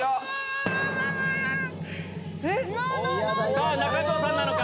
さぁ中条さんなのか？